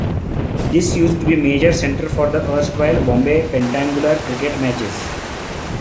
This used to be major centre for the erstwhile Bombay Pentangular cricket matches.